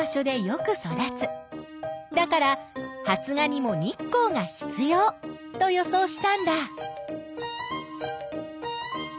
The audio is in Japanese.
だから発芽にも日光が必要と予想したんだ。